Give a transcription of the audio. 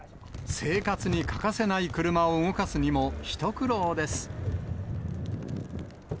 生活に欠かせない車を動かすにも一苦労です。